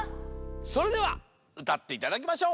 それではうたっていただきましょう。